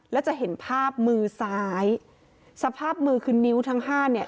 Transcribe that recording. แล้วจะเห็นภาพมือซ้ายสภาพมือคือนิ้วทั้งห้าเนี่ย